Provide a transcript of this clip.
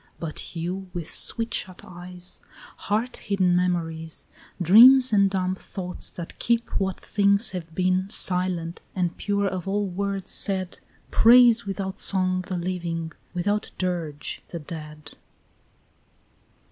But you, with sweet shut eyes, Heart hidden memories, Dreams and dumb thoughts that keep what things have been Silent, and pure of all words said, Praise without song the living, without dirge the dead.